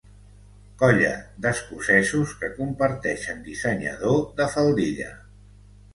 Colla d'escocesos que comparteixen dissenyador de faldilla.